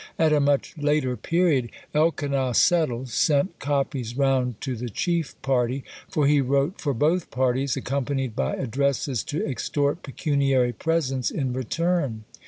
At a much later period, Elkanah Settle sent copies round to the chief party, for he wrote for both parties, accompanied by addresses to extort pecuniary presents in return.